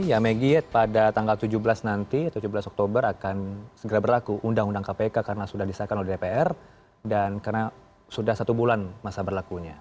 ya megi pada tanggal tujuh belas nanti tujuh belas oktober akan segera berlaku undang undang kpk karena sudah disahkan oleh dpr dan karena sudah satu bulan masa berlakunya